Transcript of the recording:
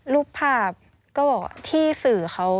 รูปภาพก็ที่สื่อเขา